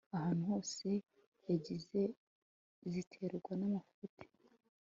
ahantu hose zagiye ziterwa namafuti